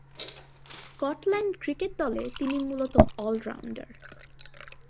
Scotland cricket দলে তিনি মূলতঃ অল-রাউন্ডার।